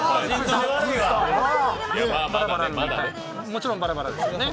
もちろんバラバラですよね。